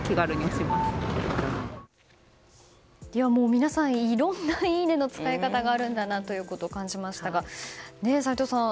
皆さん、いろんないいねの使い方があるんだなということを感じましたが、齋藤さん